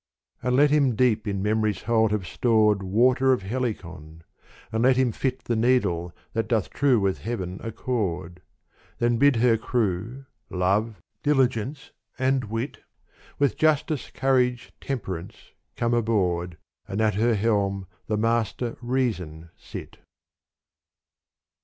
And let him deep in memory's hold have stored Water of Helicon : and let him fit The needle that doth true with heaven accord : Then bid her crew, love, diligence and wit With justice, courage, temperance come aboard. And at her helm the master reason sit.